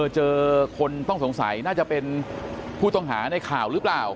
เจอคนต้องสงสัยน่าจะเป็นผู้ต้องหาในข่าวหรือเปล่า